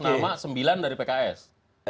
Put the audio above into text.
dua belas nama sembilan dari pks